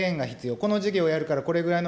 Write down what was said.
この事業やるから、これぐらいの